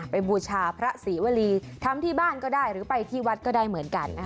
บูชาพระศรีวรีทำที่บ้านก็ได้หรือไปที่วัดก็ได้เหมือนกันนะคะ